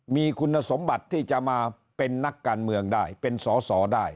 มีคุณสมบัติที่จะมาเป็นนักการเมืองได้เป็นสอสอได้